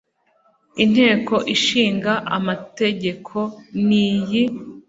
inteko ishinga amategeko niyi